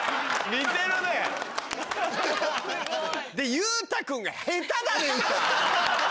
裕太君が下手だね歌。